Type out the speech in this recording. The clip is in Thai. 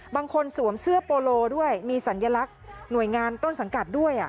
สวมเสื้อโปโลด้วยมีสัญลักษณ์หน่วยงานต้นสังกัดด้วย